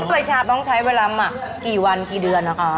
ใบชาต้องใช้เวลาหมักกี่วันกี่เดือนนะคะ